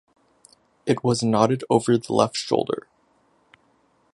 It was knotted over the left shoulder.